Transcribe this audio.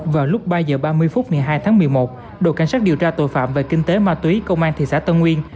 vào lúc ba h ba mươi phút ngày hai tháng một mươi một đội cảnh sát điều tra tội phạm về kinh tế ma túy công an thị xã tân nguyên